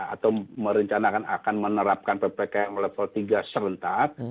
atau merencanakan akan menerapkan ppkm level tiga serentak